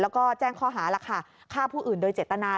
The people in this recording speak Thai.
แล้วก็แจ้งคอหาราคาค่าผู้อื่นโดยเจตนา